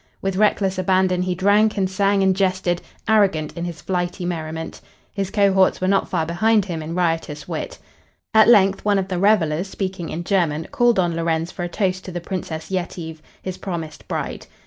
With reckless abandon he drank and sang and jested, arrogant in his flighty merriment. His cohorts were not far behind him in riotous wit. At length one of the revelers, speaking in German, called on Lorenz for a toast to the Princess Yetive, his promised bride.